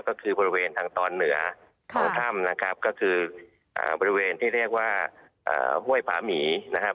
ก็คือบริเวณทางตอนเหนือของถ้ำนะครับก็คือบริเวณที่เรียกว่าห้วยผาหมีนะครับ